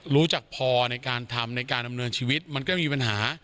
รู้จักพอในการทำในการดำเนินชีวิตมันก็มีปัญหา